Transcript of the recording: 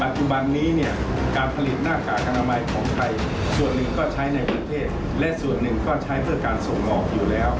จุบันนี้เนี่ยการผลิตหน้ากากอนามัยของไทยส่วนหนึ่งก็ใช้ในประเทศและส่วนหนึ่งก็ใช้เพื่อการส่งออกอยู่แล้ว